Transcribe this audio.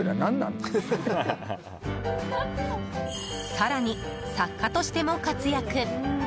更に、作家としても活躍。